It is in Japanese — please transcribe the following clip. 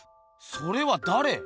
それはだれ？